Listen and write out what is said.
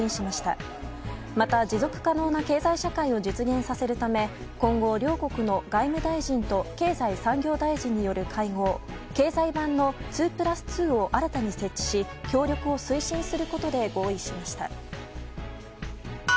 また、持続可能な経済社会を実現させるため今後、両国の外務大臣と経済産業大臣による会合経済版の２プラス２を新たに設置し協力を推進することで合意しました。